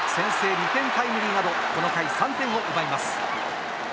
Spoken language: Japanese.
２点タイムリーなどこの回、３点を奪います。